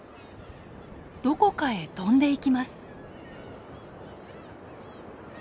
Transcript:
どこかへ飛んでいきます。